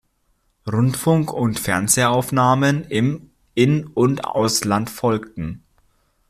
Rundfunk- und Fernsehaufnahmen im In- und Ausland folgten.